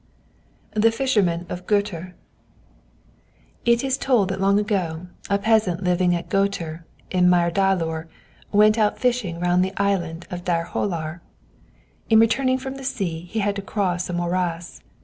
THE FISHERMAN OF GÖTUR It is told that long ago a peasant living at Götur in Myrdalur went out fishing round the island of Dyrhólar. In returning from the sea, he had to cross a morass.